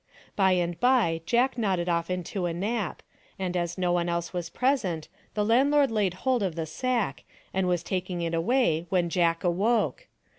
By and by Jack nodded off into a nap, and as no one else was present the landlord laid hold of the sack and was taking it away when Jack awoke.